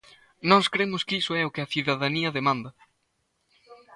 Nós cremos que iso é o que a cidadanía demanda.